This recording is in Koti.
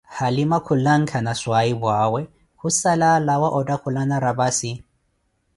Halima khulanka na swahiphu'awe khussala alawa otthaakulana raphassi